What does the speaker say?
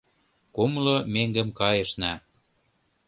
Кумло меҥгым кайышна.